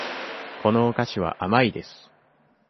このお菓子は甘いです。